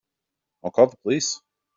I'll call the police.